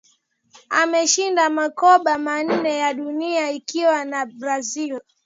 Ameshinda makombe manne ya dunia akiwa na Brazil